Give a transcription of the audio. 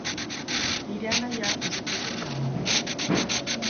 Nire anaia oso pozik dago.